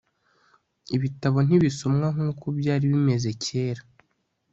ibitabo ntibisomwa nkuko byari bimeze kera